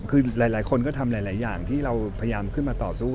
คือหลายคนก็ทำหลายอย่างที่เราพยายามขึ้นมาต่อสู้